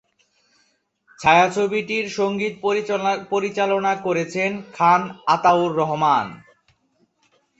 ছায়াছবিটির সঙ্গীত পরিচালনা করেছেন খান আতাউর রহমান।